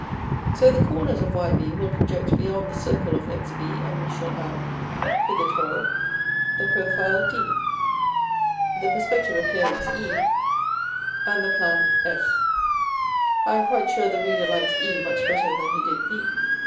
So the corners of Yb will project beyond the circle of Xb, and we shall have (Fig. XII.) the profile d, the perspective appearance e, and the plan f. I am quite sure the reader likes e much better than he did b.